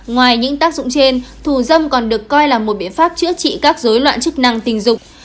ngoài những tác dụng trên thù dâm còn được coi là một biện pháp chữa trị các dối loạn chức năng tình dục